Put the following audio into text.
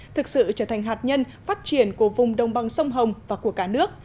thực sự trở thành hạt nhân phát triển của vùng đông băng sông hồng và của cả nước